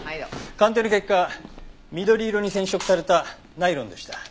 鑑定の結果緑色に染色されたナイロンでした。